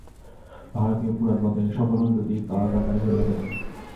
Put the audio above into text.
ভারতীয় পুরাণ-মতে সকল উন্নতিই তরঙ্গাকারে হইয়া থাকে।